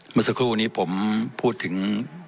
เมื่อสักครู่นี้ผมพูดถึง